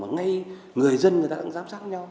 ngay người dân người ta cũng giám sát nhau